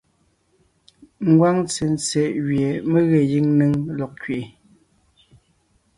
Ngwáŋ ntsentse gẅie mé ge gíŋ néŋ lɔg kẅiʼi,